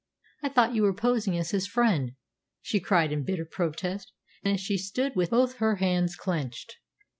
I thought you were posing as his friend!" she cried in bitter protest, as she stood with both her hands clenched.